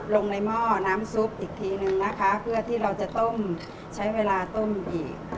ลงในหม้อน้ำซุปอีกทีนึงนะคะเพื่อที่เราจะต้มใช้เวลาต้มอีก